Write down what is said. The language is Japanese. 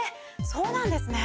そうなんですね。